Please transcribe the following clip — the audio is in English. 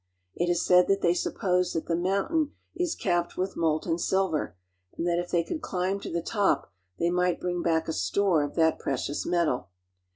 It is said that they suppose that the mountain is capped with molten silver, and that if they could climb to the top they might bring back a store of that precious metal.